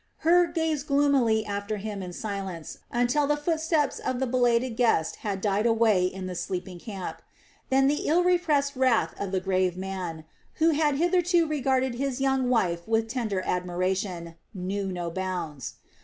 Hur gazed gloomily after him in silence until the footsteps of the belated guest had died away in the sleeping camp; then the ill repressed wrath of the grave man, who had hitherto regarded his young wife with tender admiration, knew no bounds.